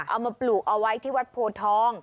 เอามาปลูกเอาไว้ที่วัดโพทอง